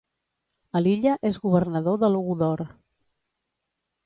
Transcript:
A l'illa és governador de Logudor.